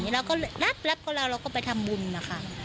เราก็รับกับเราเราก็ไปทำบุญนะคะ